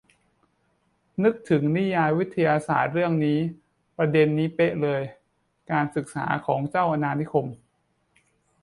นึกถึงนิยายวิทยาศาสตร์เรื่องนี้ ประเด็นนี้เป๊ะเลย การศึกษาของเจ้าอาณานิคม